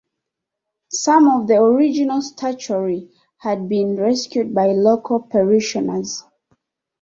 Some of the original statuary had been rescued by local parishioners.